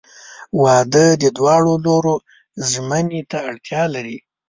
• واده د دواړو لورو ژمنې ته اړتیا لري.